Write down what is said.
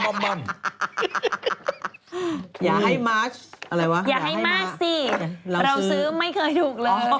อะไรวะอย่าให้มาสสิเราซื้อไม่เคยถูกเลยคือเออไม่รู้